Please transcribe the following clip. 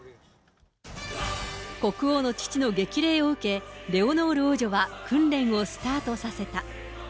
国王の父の激励を受け、レオノール王女は訓練をスタートさせた。